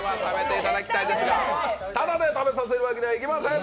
タダで食べさせるわけにはいきません！